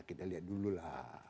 kita lihat dulu lah